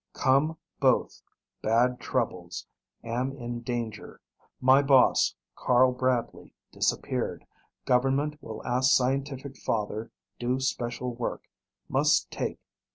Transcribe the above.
COME BOTH. BAD TROUBLES. AM IN DANGER. MY BOSS, CARL BRADLEY, DISAPPEARED. GOVERNMENT WILL ASK SCIENTIFIC FATHER DO SPECIAL WORK. MUST TAKE.